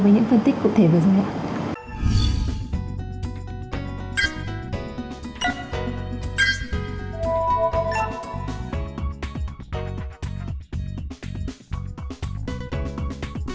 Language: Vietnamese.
với những phân tích cụ thể vừa rồi ạ